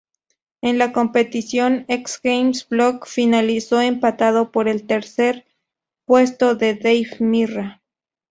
En la competición X-Games, Block finalizó empatado por el tercer puesto con Dave Mirra.